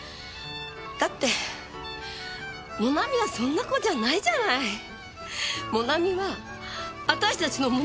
だってもなみはそんな子じゃないじゃない？もなみは私たちのもなみは。